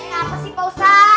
kenapa sih pak ustadz